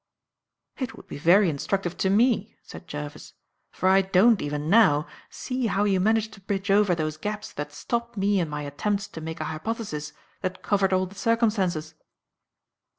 "It would be very instructive to me," said Jervis, "for I don't, even now, see how you managed to bridge over those gaps that stopped me in my attempts to make a hypothesis that covered all the circumstances."